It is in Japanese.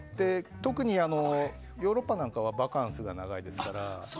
特にヨーロッパなんかはバカンスが長いですから。